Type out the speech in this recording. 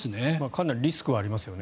かなりリスクはありますよね。